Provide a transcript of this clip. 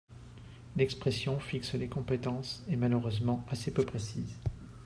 L’expression, fixent les compétences, est malheureusement assez peu précise.